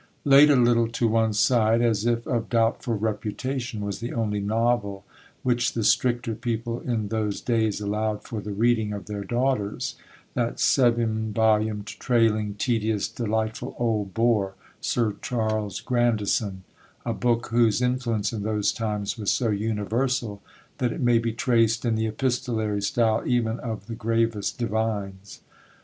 Laid a little to one side, as if of doubtful reputation, was the only novel which the stricter people in those days allowed for the reading of their daughters: that seven volumed, trailing, tedious, delightful old bore, 'Sir Charles Grandison,'—a book whose influence in those times was so universal, that it may be traced in the epistolary style even of the gravest divines.